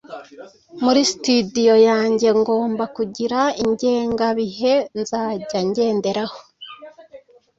“muri studio yanjye ngomba kugira ingenga bihe nzajya ngenderaho